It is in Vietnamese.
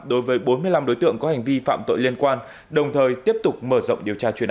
đối với bốn mươi năm đối tượng có hành vi phạm tội liên quan đồng thời tiếp tục mở rộng điều tra chuyên án